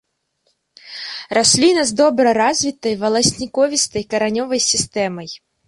Расліна з добра развітай валасніковістай каранёвай сістэмай.